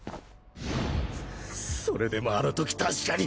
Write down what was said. それでもあの時確かに！